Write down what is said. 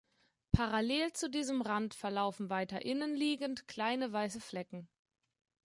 Parallel zu diesem Rand verlaufen weiter innen liegend kleine weiße Flecken.